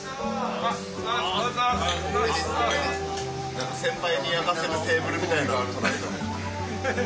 何か先輩に焼かせるテーブルみたいに撮られとる。